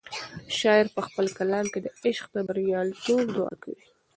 شاعر په خپل کلام کې د عشق د بریالیتوب دعا کوي.